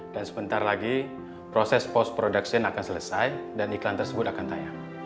dan sebentar lagi proses post production akan selesai dan iklan tersebut akan tayang